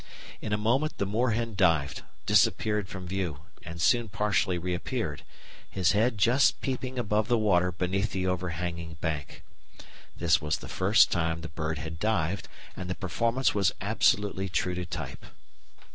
In a moment the moorhen dived, disappeared from view, and soon partially reappeared, his head just peeping above the water beneath the overhanging bank. This was the first time the bird had dived, and the performance was absolutely true to type.